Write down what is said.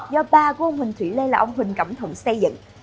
do ba của ông quỳnh thủy lê là ông huỳnh cẩm thụng xây dựng